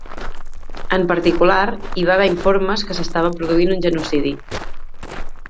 En particular, hi va haver informes que s'estava produint un genocidi.